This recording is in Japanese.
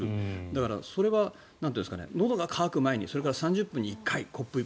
だから、それはのどが渇く前にそれから３０分に１回コップ１杯。